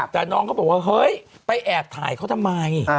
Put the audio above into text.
แต่น้องเขาบอกว่าเฮ้ยไปแอบถ่ายเขาทำไม